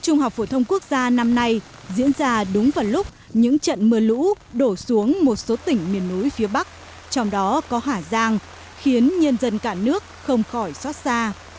trung học phổ thông quốc gia năm nay diễn ra đúng vào lúc những trận mưa lũ đổ xuống một số tỉnh miền núi phía bắc trong đó có hà giang khiến nhân dân cả nước không khỏi xót xa